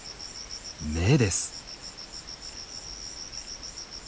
目です。